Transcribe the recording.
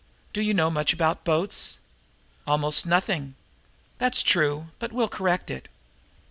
Do you know much about boats?" "Almost nothing." "That's true, but we'll correct it.